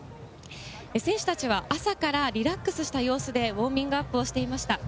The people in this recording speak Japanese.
選手たちは朝から、リラックスした様子でウォーミングアップをしていました。